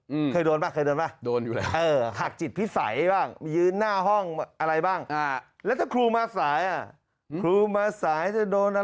อืมโดนอยู่แล้วเออหักจิตพิษัยบ้างยืนหน้าห้องอะไรบ้างแล้วถ้าครูมาสายครูมาสายจะโดนอะไร